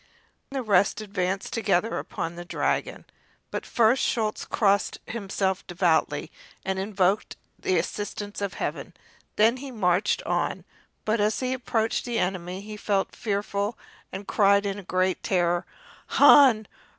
Then the rest advanced together upon the dragon, but first Schulz crossed himself devoutly and invoked the assistance of Heaven. Then he marched on, but as he approached the enemy he felt very fearful and cried in great terror: "Han!